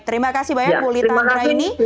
terima kasih banyak bu lita andra ini